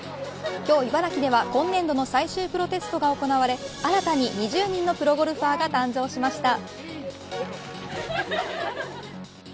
今日、茨城では今年度の最終プロテストが行われ新たに２０人のプロゴルファーが誕生しました。